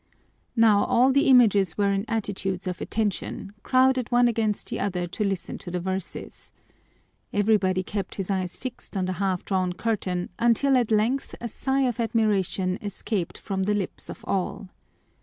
Now all the images were in attitudes of attention, crowded one against the other to listen to the verses. Everybody kept his eyes fixed on the half drawn curtain until at length a sigh of admiration escaped from the lips of all.